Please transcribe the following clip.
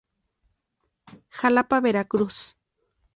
Xalapa, Veracruz.